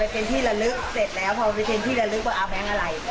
ผมที่ถือแบงค์นึงที่ไม่ใช่แบงค์ร้อย